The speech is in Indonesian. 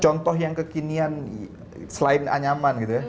contoh yang kekinian selain anyaman gitu ya